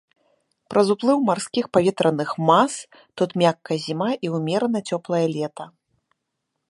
Праз уплыў марскіх паветраных мас тут мяккая зіма і ўмерана цёплае лета.